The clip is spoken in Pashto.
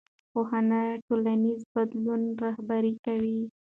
پوهنه ټولنیز بدلون رهبري کوي